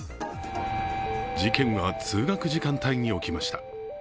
事件は通学時間帯に起きました。